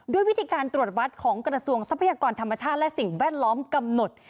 ด้วยวิธีการตรวจวัดของกระทรวงทรัพยากรธรรมชาติและสิ่งแวดล้อมกำหนด